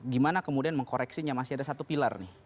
gimana kemudian mengkoreksinya masih ada satu pilar nih